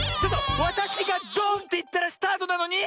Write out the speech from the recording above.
わたしがドーンっていったらスタートなのに！